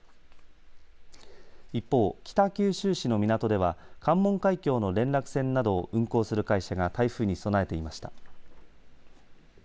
一方、北九州市の港では関門海峡の連絡船などを運行する会社が台風に備えていました。